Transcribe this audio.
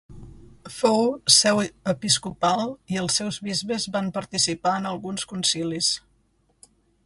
Fou seu episcopal i els seus bisbes van participar en alguns concilis.